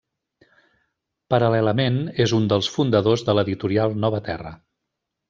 Paral·lelament, és un dels fundadors de l'editorial Nova Terra.